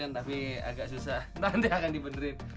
nanti akan dipenerin